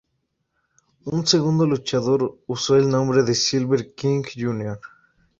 Un segundo luchador usó el nombre de Silver King Jr.